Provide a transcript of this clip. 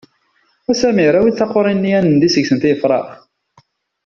Wa Samir awi-d taqqurin-nni ad nandi yis-sent i yefrax!